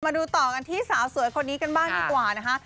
มาดูต่อกันที่สาวสวยคนนี้กันบ้างดีกว่านะคะ